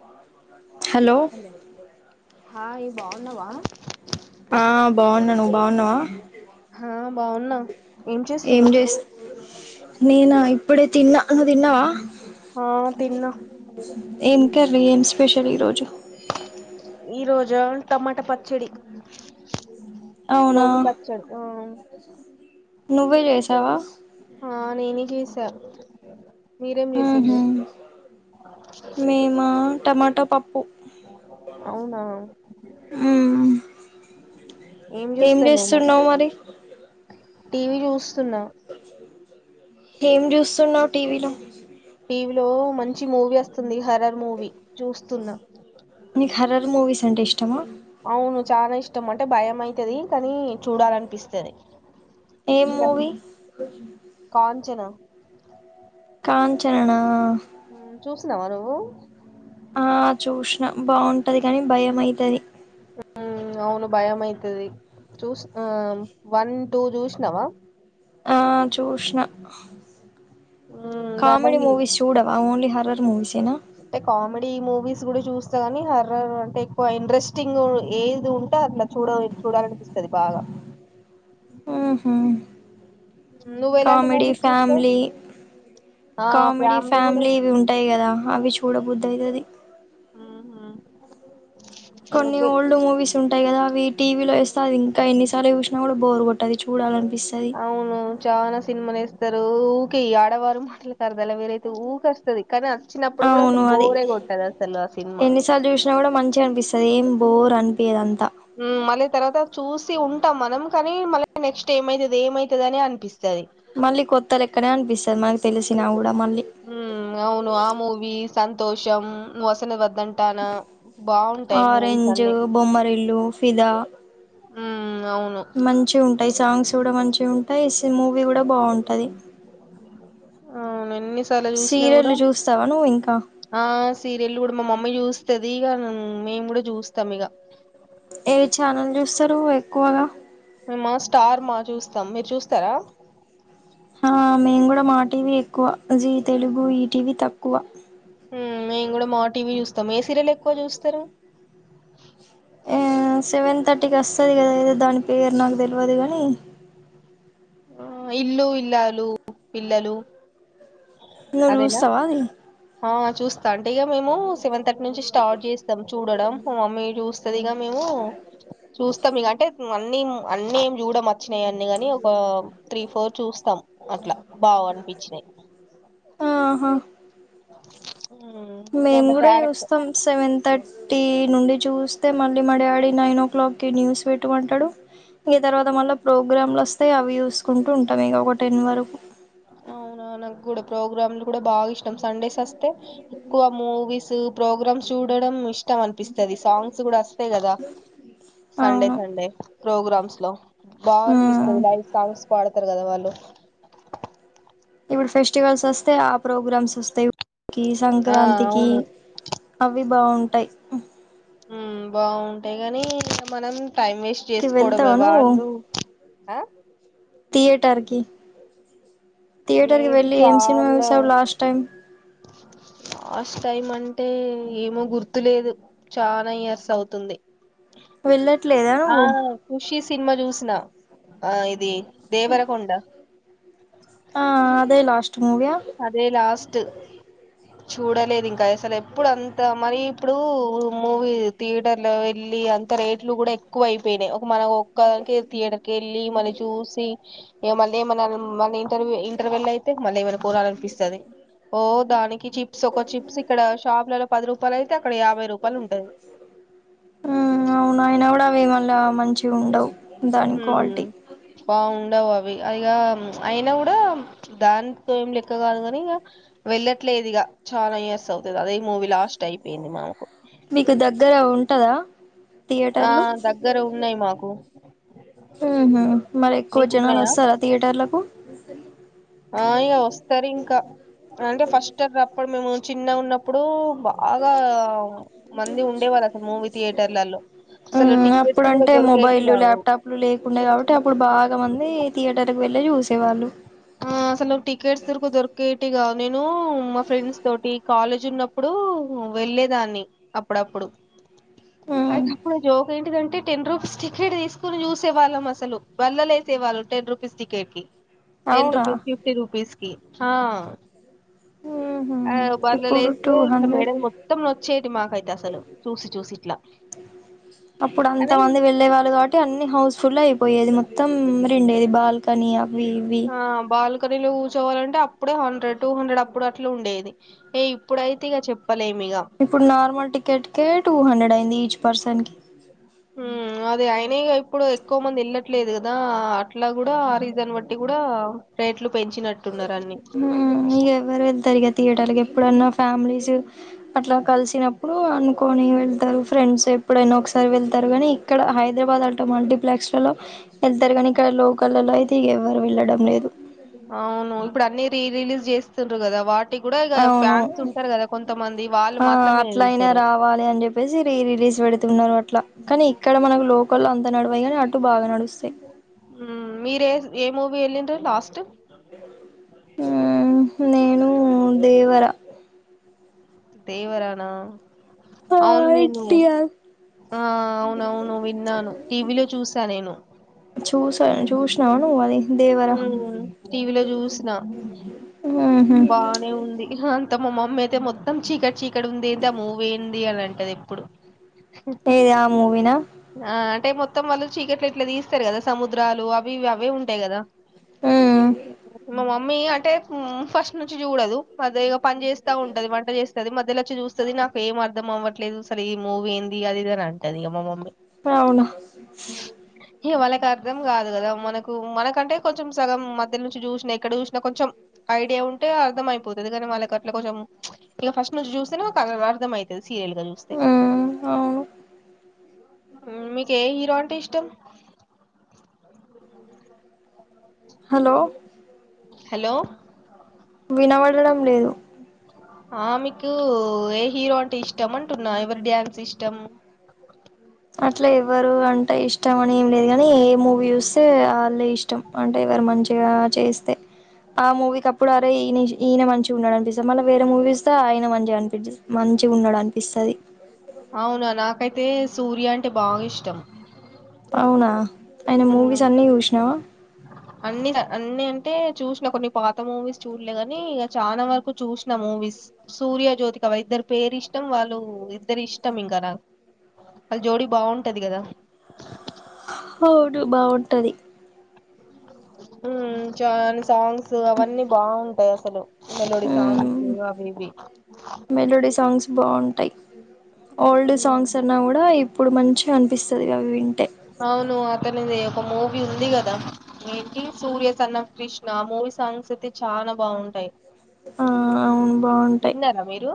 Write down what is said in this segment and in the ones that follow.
అవును hello hi బావున్నావా? బావున్నావా? బావున్నా ఏం జేస్త నేన ఇప్పుడే తిన్నా నువ్ తిన్నావా? ఆ తిన్నా ఏం కర్రీ ఏం స్పెషల్ ఈ రోజు? ఈరోజా టమాటా పచ్చడి. అవునా రోటి పచ్చడి ఆ నువ్వే చేసావా ఆ నేనే గీసా ఉహు మేమ టమాటో ప ప్పు అవునా ఉమ్ ఏం చూస్తున్నావ్ నువ్వు జేస్తూన్నావు మరి? టీవీ చూస్తున్నా. ఏం చూస్తున్నావు టీవీలో? లో మంచి మూవీ వస్తుంది, హర్రర్ మూవీ చూస్తున్నా. మీక్ హర్రర్ మూవీస్ అంటే ఇష్ట అవును చాలా ఇష్టం అంటే భయమయితది కానీ చూడాలనిపిస్తది. ఏం హర్ మూవీ కాంచన కాంచన నా? మ్ చూసినవా నువ్వు? ఆ చూశిన బావుంటది కాని, భయం అయితది. మ్ అవును భయం అయితది. చూసినం వన్, టూ చూశనావా? ఆ చూష్ణ ఉమ్ దాంట్లో కామెడి హి మూవిస్ చూడవా ఓన్లీ హరర్ మూవీస్ ఎనా అంటే కామెడీ మూవీస్ కూడా చూస్తా కానీ, హర్రర్ అంటే ఎక్కువ ఇంట్రెస్టింగ్ ఏది ఉంటే అట్లా చూడవి చూడాలనిపిస్తది బాగా. ఉహుమ్ ఉమ్, నువ్వు ఎలాంటి కామెడి మూవీస్ చూస్తావు ఫ్యామిలీ ఆ కామెడీ కూడా ఫ్యామిలీ ఇవి ఉంటాయి కదా అవి చూడబుద్ది అయితది. ఉహుమ్ కొన్ని ఓల్డ్ మూవీస్ ఉంటాయి కదా. అవి టీవీలో వేస్తే అది ఇంకా ఎన్నిసార్లు చూశినా కూడా బోర్గొట్టది చూడాలని అవును చాలా సినిమాలేస్ వస్తారు ఊకే ఈ ఆడవారు మాటలకి అర్దాలే వేరైతే ఊకె వస్తది. కాద వచ్చినప్పుడు కూడా అవును అసలు అది బోరే కొట్టదు అసలు ఆ సినిమా. ఎన్నిసార్లు చూసినా కూడా మంచిగా అనిపిస్తది ఏం బోర్ అనిపియదు అం ఉమ్ మలే తర్వాత చూసి ఉంటాం మనం కానీ మళ్ళీ నెక్స్ట్ ఏమైతది, ఏమైతది అని అనిపిస్తది. మళ్ళీ కొత్తలెక్కనే అనిపిస్తది మనకి తెలిసినా కూడా మళ్ళీ మ్ అవును ఆ మూవి సంతోషం వసన వ గంటానా బాగుంటాయి మూవీస్ ఆరెంజ్ అన్ని బొమ్మరిల్లు మ్ మంచిగ ఉంటాయి, సాంగ్స్ గూడ మంచి ఉంటాయి, సి మూవీ గూడ బావుంటాది. ఆ మనమ్ ఎన్ని సార్లు చూస్నా గూడ చూస్తావా నువ్వు ఇంకా ఆ సీరియల్ గూడ మా మమ్మీ చూస్ స్తది గ మామ్ మేమ్ గూడ జుస్తాం ఇగ ఏ ఛానల్ చూస్తారు ఎక్కువగా మ స్టార్ మా చూస్తాం మీరు చూస్తారా ఆ మేము గూడ మా టీవే ఎక్కువ జీతెలుగు ఈ టీవీ తక్కువ హ్మ్ మేము గూడ మా టీవీ చూస్తామ్ ఏ సీరియల్ ఎక్కువ చూస్తారు ఆ సెవెన్ థర్టీకి వొస్తది గదా ఏదో దాని పేరు నాకు తెల్వదు గాని ఇల్లు ఇల్లాలు పిల్లలు నువ్వు అదేనా చూస్తావా అది చూస్ అంటే ఇగ మేము సెవెన్ థర్టీ నుంచి స్టార్ట్ చేస్తాం చూడడం మమ్మీ చూస్ సదిగా మేము చూస్తాం ఇగ అంటే అన్నీ అన్నెమ్ చుడం వచ్చినాయి అన్ని గాని ఒక త్రీ ఫోర్ చూస్తాం అట్లా బాగ అనిపిచ్చినాయ్ ఆహా ఉమ్, మేమ్ దాంట్లో గూడ క్యారెక్టర్ చూస్తాం సెవెన్ తర్ట్ టీ నుండి చూస్తే మళ్ళీ మా డాడీ నైన్ ఓ క్లాక్కిి న్యూస్ పెట్టమంటడు ఇగ తర్వాత మళ్ళా ప్రోగ్రామ్లు వొస్తాయి అవి చూసుకుంటూ ఉంటాం ఇగ ఒక టెన్ వరకు అవున్ నా నాగూడ ప్రోగ్రాంలు గూడ బాగ్ ఇష్టం సండేస్ వస్తే ఎక్కువ మూవీస్ ప్రోగ్రామ్స్ చూడడం ఇష్టం అనిపిస్తాది సాంగ్స్ గూడ అస్ తే గదా సండే అవును సండే ప్రోగ్రామ్స్ లో ఉమ్ బాగనిపిస్తది లైవ్ సాంగ్స్ పాడతారు గదా వాళ్ళు ఇపుడు ఫెస్టివల్స్ వొస్తే ఆ ప్రోగ్రామ్స్ వొస్తాయి కి ఆ సంక్రాంతికి అవును అవి బావుంటాయి ఉమ్ బాగుంటాయి గానీ మనం టైమ్ వేస్ట్ కి వెళ్తావా చేసుకోవడమే నువ్వు వాళ్ళు థియేటర్ కి థియేటర్ కి లేదు వెళ్ళి ఏం సినిమా చాలా చూసావు లాస్ట్ టైం లాస్ట్ టైం అంటే ఏమో గుర్తులేదు చాన ఇయర్స్ అవుతుంది వెళ్ళ ఆ ఖుషి సినిమా చూసినా ఆ ఇది దేవరకొండ ఆ అదే లాస్ అదే లాస్ట్ చూడలేదు ఇంకా అసలు ఎప్పుడు అంత మరి ఇప్పుడు మూవీ థియేటర్ లో వెళ్ళి అంత రేట్లు గూడ ఎక్కువ అయిపోయినాయి ఒక మన ఒక్కదానికి థియేటర్కి వెళ్ళి మళ్ళీ చూసి ఇగ మన లెవ్ మన మన ఇంటర్వ్యూ ఇంటర్వేల్ అయితే మళ్ళీ ఏమైనా కోనాలనిపిస్తాది ఓ దానిక్ కి చిప్స్ ఒక చిప్స్ ఇక్కడ షాప్లలో పది రూపాయలు అయితే అక్కడ యాభై రూపాయలు ఉంటది మ్ అవున అయినా గూడ అవి మళ్ళ మంచిగ ఉండవు దాని ఉమ్ క్వాల్టీ బాగుండవు అవి ఇగ అయినా గూడ దాంతే ఏం లెక్క గాదు గాని ఇగ వెళ్ళట్లేదు ఇగ చాలా ఇయర్స్ అవుతది అదే మూవీ లాస్ట్ అయిపోయింది మాకు మీకు దగ్గర ఉంటదా ఆ థియేటర్లు దగ్గర ఉన్నాయి మాకు మ్ హ్మ్ మరి ఎక్కువ జనాలు మీకున్నాయా వస్తారా థియేటర్లకు అయ్యా వొస్తారు ఇంకా అంటే ఫస్ట్ టై అప్పుడు మేము చిన్నగ ఉన్నప్పుడూ బాగా మంది ఉండేవాళ్ళ అసలు మూవీ థియేటర్లలో అసలు మ్మ్ టికెట్స్ గూడ అప్పుడంటే దొర మొబైల్ ల్యాప్టాప్ లు లేకుండా కాబట్టి అప్పుడు బాగా మంది థియేటర్కి వెళ్ళి చూసేవాళ్ళు ఆ అసలు టికెట్స్ రూప్ దొరికేటిగ నేను మా ఫ్రెండ్స్ తోటి కాలేజ్ ఉన్నప్పుడూ వెళ్ళేదాన్ని అప్పుడప్పుడు మ్మ్ అయితే అప్పుడు జోక్ ఏంటిదం టి టెన్ రూపీస్ టికెట్ తీసుకోని చూసేవాళ్ళం అసలు బళ్లలేేసేవాళ్లు టెన్ రూపీస్ టికెట్ కి టెన్ అవునా రూపీస్ ఫిఫ్టీ రూపీస్కి హ ఊహు ఆ ఇప్పుడు టూ బల్లలేస్తే ఇట్లా హండ్రెడ్ మెడలు మొత్తం నోచ్చేది మాకైతే అసలు చూసి చూసి ఇట్లా కానీ అప్పుడంతమంది వెళ్ళేవాళ్ళు కాబట్టి అన్ని హౌస్ ఫుల్ అయి పోయేది మొత్తం రెండే బాల్కనీ అవి ఇవి బల్కనిలో కూర్చోవాలంటే అప్పుడే హండ్రెడ్ టూ హండ్రెడ్ అప్పుడు అట్లా ఉండేది ఇగ ఇప్పుడయితే ఇగ చె ఇప్పుడు నార్మల్ టికెట్కే టూ హండ్రెడ్ అయింది ఈచ్ పర్సన్ కి హుం అదే అయన ఇగ ఇప్పుడు ఎక్కువ మందేళ్ళట్లేదు కదా అట్లా కూడా ఆ రీజన్ బట్టి కూడా రేట్లు పెంచినట్టున్నారు అన్ని హుమ్ ఇగ ఏవ్వరు వెల్తరిగ థియేటర్ ఎప్పుడన్నా ఫ్యామిలీసూ అట్లా కలిసినప్పుడు అనుకొని వెళ్తారు ఫ్రెండ్స్ ఎప్పుడైనా ఒక్సారి వెళ్తారు గని ఇక్కడ హైదరాబాద్ ఆటో మల్టీప్లెక్స్ లో ఎళ్తారు కానీ ఇక్కడ లోకల్ లో అయితే ఇగఎవ్వరు వెళ్లడం లేదు అవును ఇప్పుడు అన్ని రీ రిలీజ్ చేస్తుండ్రు కదా వా టి కూడా ఇగ అవును ఫ్యాన్స్ ఉంటారు కదా కొంతమంది వాళ్ళు ఆ మాత్రమే ఎళ్తురు ల్స్ పెడుతున్నారు అట్లా కాని ఇక్కడ మనకు లోకల్ అంతా నడివయ్ గాని అటు బాగా నడుస్తాయి మూవి ఎలిండ్రు లాస్ట్ ఉమ్ నేను దేవర దేవరానా ఆ అవ్ను నేను ఎన్టీఆర్ ఆ అవ్నవును విన్నాను టీవీలో చూసా నేను తనను చూస్నావ నువ్ అది దేవర ఉహ్మ్ టీవీలో చూసిన మ్మ్ హ్మ్ బానే ఉంది అంత మామ్మ మ్మి అయితే మొత్తం చీకట్ చీకటుంది ఏంది ఆ మూవ్ ఎంది అని అంటది ఎప్పుడు ఏది ఆ మూవినా ఆ అంటే మొత్తం వాళ్ళు చీకట్ల ఇట్లా తీస్తారు కదా సముద్రాలు అవి ఇవి అవే ఉంటాయ్ కదా మ్మ్ మామమ్ మ్మీ అంటే ఫస్ట్ నుంచి చూడదు మధ్యగా పని చేస్తా ఉంటది వంట చేస్తది మధ్యలచ్చి చూస్తది నాకు ఏం అర్ధం అవ్వట్లేదు అసలే మూవీ ఏంది అది ఇదిని అంటది ఇగ మా మమ్మీ అవున ఇగ వాళ్ళకి అర్థం కాదు కదా మనకు మనకంటే కొంచెం సగం మధ్యల్నుంచి చూసిన ఇక్కడ చూసిన కొంచెం ఐడియా ఉంటే అర్దంమైపోతది అది కాని వాళ్ళకట్లా కొంచెం ఇగ ఫస్ట్ నుంచి చూస్తనే లకు అర్థంమయితది సీరియల్ గా చూస్తే మ్మ్ అవును మీకే ఎ హీరో అంటే ఇష్టం హలో హలో వినబడడం లేదు ఆ మీకు ఏ హీరో అంటే ఇష్టం అంటున్నా ఎవర్ డ్యాన్స్ ఇష్టం అట్లేవ్వరు అంటే ఇష్టం అని ఏం లేదు కానీ ఏ మూవీ చూస్తే వాళ్ళే ఇష్టం అంటే ఎవరు మంచిగా చేస్తే ఆ మూవీకి అప్పుడు అరే ఈయ ఈయన ఆ ఆ మూవికప్పుడు అరె ఇన మంచిగా ఉన్నాడు అనిపిస్తది మళ్ళ వేరే మూవీస్ చూస్త ఆయన మంచిగా అనిపించింది మం మంచిగున్నడనిపిస్తది అవునా నాకైతే సూర్య అంటే బాగిష్టం అవునా ఆయన మూవీస్ అన్ని చూశ్నవా అన్నిగ అన్ని అంటే చూశ్ననా కొన్ని పాత మూవీస్ చూడలేగాని ఇక చానా వరకు చూసిన మూవీ మూవీస్ సూర్య జ్యోతిక వారిద్దరి పేరిష్టం వాళ్ళు ఇద్దరు ఇష్టం ఇంకా నాకు వాళ్ళ జోడి బాగుంటది కదా అవును బాగుంటది ఉహ్ చానా సాంగ్స్ అవన్నీ బాగుంటాయి అసలు మెలోడీ మ్మ్ సాంగ్స్ అవివి బావుంటై ఓల్డ్ సాంగ్స్ అన్నా గుడా ఇప్పుడ్ మంచిగా అనిపిస్తది అవి విన్ ఔను అతనిదేవ్ ఒక మూవీ ఉంది గదా Surya son of Krishna movie songs ఐతే చాన బాగుంటై ఆ అవును బాగుంటాయి విన్నరా మిరూ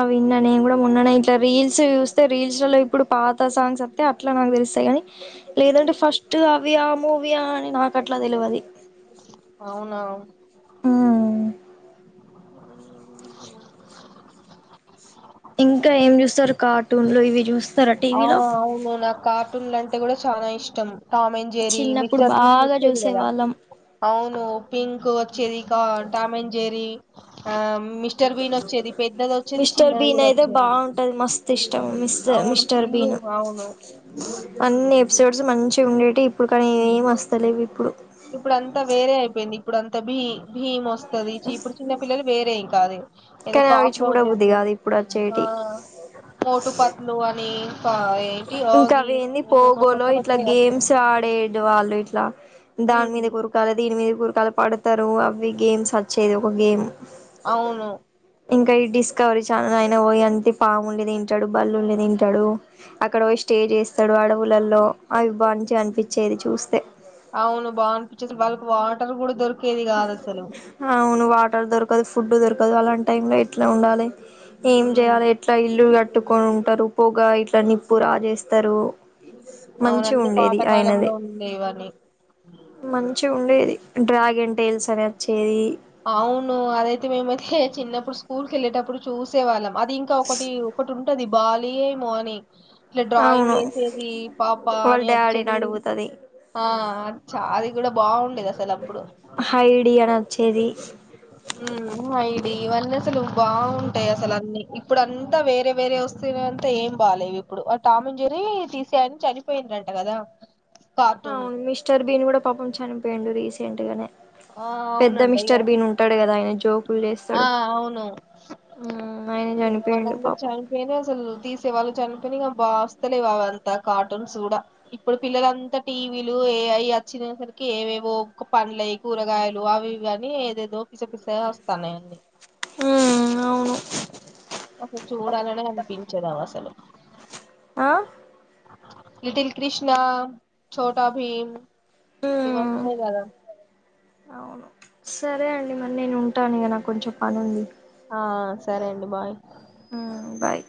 అ విన్న నేన్ గుడా మొన్ననే ఇట్లా రీల్స్ యూస్తే రీల్స్ లల్లా ఇప్పుడు పాత సాంగ్స్ అత్తే అట్లా నాక్దెల్స్తై గనీ లేదంటే ఫస్ట్ అవ్వియా మూవీయా అని నాకట్లా దెలవది ఔనా ఉమ్ ఇంకా ఏం జూస్తరు కార్టూన్లో ఇవి జూస్త్ ఆ ఔను నక్కార్టుంలంటే గుడా చానా ఇష్టం టామెంజేరి చిన్నప్పుడు మిస్టర్ బీన్ బాగా నొచ్చేది చూసే గదా వాళ్ళం ఔను పింక్ ఒచ్చేదికా టామెంజేరీ ఆమ్ మిస్టర్ చిన్నది బీన్ కూడా ఐతే వచ్చేది బావుంటది మస్త్ ఇష్టం మిస్ అవును మిస్టర్ ఫుల్లు బీన్ అవును అన్నేప్సోడ్స్ మంచ్ ఉండేటియు ఇప్పుడ్ కానీ ఏం అస్తలేవిప్పుడు ఇప్పుదంతా వేరే ఐపోయింది ఇప్పుదంతా భీ భీమ్ ఒస్తదీ చీప్డూ చిన్న పిల్లలీ వేరే ఇంక అది ఎదొ కానీ అవి కాక్రోజెస్ చూడబుద్ది కాదు ఇప్పుడు ఆ వచ్చేటివి మోటుపట్లు అనీ ఇంకవ్వేంది పోగోలో కొత్త ఇట్లా కొత్తవి వస్తాయి గేమ్స్ ఆడేడ్ వాళ్ళిట్లా ఉమ్ దాన్మీదకురకాలే దీన్నీదకుకాలే పడ్తరూ అవ్వి గేమ్స్ చ్చేద్ ఒక గేమ్ అవును ఇంకా ఈ డిస్కవరీ ఛానల్ లయిన వోయి అంటి పాముల్ని తింటడు బల్లుల్ని దింటడు అక్కడ వోయ్ స్టే జేస్తడు అడవులల్లో అవ్ బన్చ్ అన్పి ఔను బావున్పేచ్స్ వాళ్ళక్ వాటర్ గూడ దొరికేది గాదసలు టర్ దొరకదు ఫుడ్ దొరకదు అలాంట్టైంలో ఎట్లా ఉండాలే ఏం ఉమ్ జెయ్యాలే ఎట్లా ఇల్లులు గట్టుకోనుంటరు పొగ ఇట్లా నిప్పు రాజేస్తారు అవును అన్ని మంచిగుండేది ఐనది పాతకాలంలో ఉండేవని మంచిగుండేది డ్రాగేన్ టేల్స్ అని అచ్చేది ఔను అదైతే మేమైతే చిన్నప్పుడు స్కూల్కెళ్ళేటప్పుడు చూసేవాళ్ళం అది ఇంకా ఒకటి ఒకటుంటది బాలియేమో అనీ ఇట్లా డ్రాయింగ్ అవును ఏసేది పాప్పా వాళ్ళ అనీ డాడీని అచ్చేది అడుగుతది ఆ చ్చా అది గుడా బావుండేది అసలప్పుడు హైడి అని వచ్చేది బావుంటయ్ అసలన్నీ ఇప్పుడంతా వేరే వేరే ఒస్తేనే అంతా ఏం బాలేేవిప్పుడు ఆ టామెన్జేరీ ర్రీ తీసేయనా చనిపోయిండంట గదా ఔన్ మిస్టర్ బీన్ గూడ పాపం చనిపోయిండూ రీసెంట్ గనే ఆ పెద్ద అవునంట ఇగ మిస్టర్ బీన్ ఉంటాడ్ గదా ఐనే ఆ ఔను మ్మ్ ఆయన ఇగ చనిపోయిండు వాళ్ళందర్ పాపం చనిపోయిండ్రు అసల్ తీసేవల్ చని పెని బాస్తలే అవంతా కార్టూన్స్ గూడ ఇప్పుడ్ పిల్లలంతా టీవీలు ఏఐ అచ్చి తిన సరికీ ఏవేవో ఒక్క పండ్లై కూరగాయలు అవీ వనీ ఏదేదో పిసపిసగా ఒస్త్ స్తనయండి ఉమ్ ఔను అసల్ చూడాలనే అన్పించదావఅసలు ఆ లిటిల్ క్రిష్ణా చోటా భీమ్ మ్మ్ ఇవోస్తాయ్ గదా అవును సరే అండి మరి నేను ఉంటాను ఇగా నాకు కొంచెం పనుంది ఆ సరే అండి బాయ్ ఉమ్ బాయ్